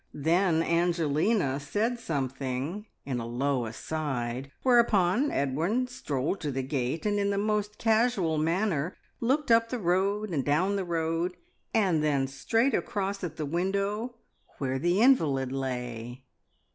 Then Angelina said something in a low aside, whereupon Edwin strolled to the gate, and in the most casual manner looked up the road and down the road, and then straight across at the window where the invalid lay!